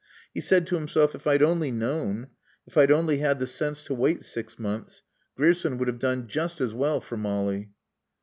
He said to himself, "If I'd only known. If I'd only had the sense to wait six months. Grierson would have done just as well for Molly."